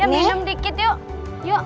minum dikit yuk